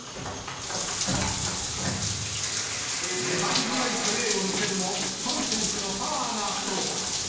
粘り強いプレーを見せるも、孫選手のパワーが圧倒。